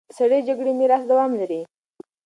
سړې جګړې میراث دوام لري.